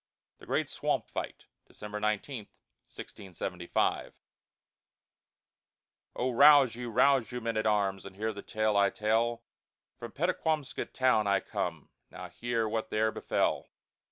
THE GREAT SWAMP FIGHT [December 19, 1675] I Oh, rouse you, rouse you, men at arms, And hear the tale I tell, From Pettaquamscut town I come, Now hear what there befell.